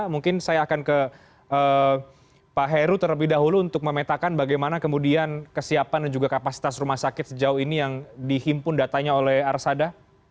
mungkin saya akan ke pak heru terlebih dahulu untuk memetakan bagaimana kemudian kesiapan dan juga kapasitas rumah sakit sejauh ini yang dihimpun datanya oleh arsada